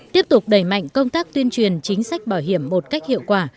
tiếp tục đẩy mạnh công tác tuyên truyền chính sách bảo hiểm một cách hiệu quả